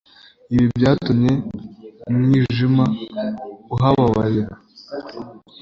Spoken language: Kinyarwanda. Ibi byatumye umwijima uhababarira